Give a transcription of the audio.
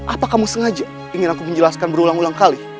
apa kamu sengaja ingin aku menjelaskan berulang ulang kali